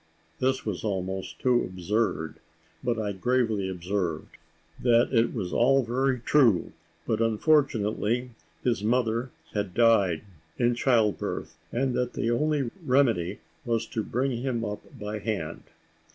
This was almost too absurd; but I gravely observed, "That it was all very true, but unfortunately his mother had died in child birth, and that the only remedy was to bring him up by hand."